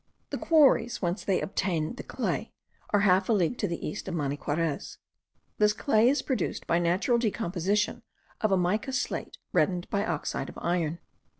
The quarries whence they obtain the clay are half a league to the east of Maniquarez. This clay is produced by natural decomposition of a mica slate reddened by oxide of iron.